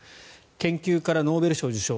研究からノーベル賞受賞